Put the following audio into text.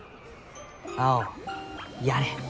青やれ。